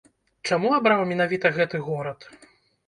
Чаму абраў менавіта гэты горад?